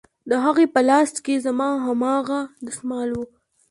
د هغې په لاس کښې زما هماغه دسمال و.